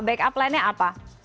back up plannya apa